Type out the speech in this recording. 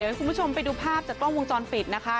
ให้คุณผู้ชมไปดูภาพจากกล้องวงจรปิดนะคะ